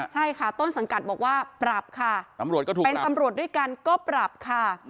ใช่ค่ะต้นสังกัดบอกว่าปรับค่ะตำรวจก็ถูกเป็นตำรวจด้วยกันก็ปรับค่ะ